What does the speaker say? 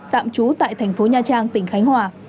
tạm trú tại thành phố nha trang tỉnh khánh hòa